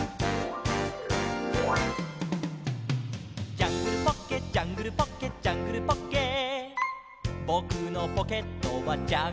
「ジャングルポッケジャングルポッケ」「ジャングルポッケ」「ぼくのポケットはジャングルだ」